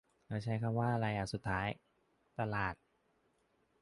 แล้วใช้คำว่าไรอ่ะสุดท้าย "ตลาด" ?